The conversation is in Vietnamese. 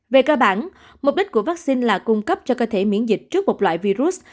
về cơ bản mục đích của vaccine là cung cấp cho cơ thể miễn dịch trước một loại virus